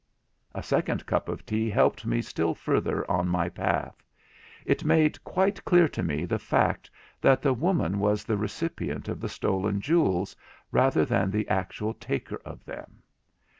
A second cup of tea helped me still further on my path. It made quite clear to me the fact that the woman was the recipient of the stolen jewels, rather than the actual taker of them.